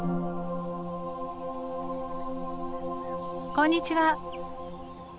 こんにちは。